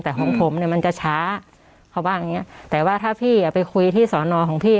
แต่ของผมเนี่ยมันจะช้าเขาว่าอย่างเงี้ยแต่ว่าถ้าพี่อ่ะไปคุยที่สอนอของพี่